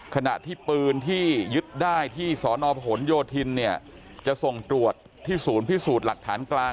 ขณะที่ปืนที่ยึดได้ที่สนพลโยธินเนี่ยจะส่งตรวจที่ศูนย์พิสูจน์หลักฐานกลาง